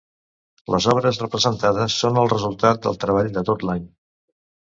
Les obres representades són el resultat del treball de tot l’any.